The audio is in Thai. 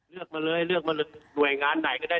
เลือกมาเลยเลือกมาหน่วยงานไหนก็ได้